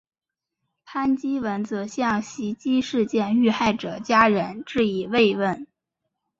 潘基文则向袭击事件遇害者家人致以慰问。